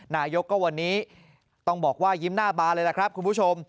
นายกก็วันนี้ต้องบอกว่ายิ้มหน้าบานเลยล่ะครับคุณผู้ชม